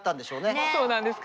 どうなんですか？